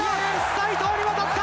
齋藤に渡った！